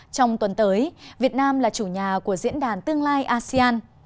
trong tuần tới việt nam là chủ nhà của diễn đàn tương lai asean